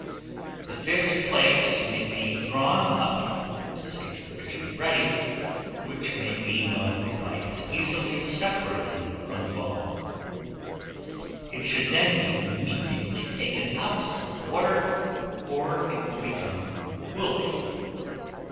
The fish plate may be drawn up, to see if the fish be ready, which may be known by its easily separating from the bone. It should then be immediately taken out of the water, or it will become woolly.